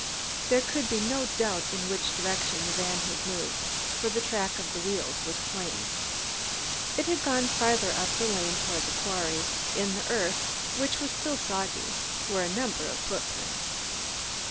There could be no doubt in which direction the van had moved, for the track of the wheels was plain. It had gone farther up the lane toward the quarry. In the earth, which was still soggy, were a number of footprints.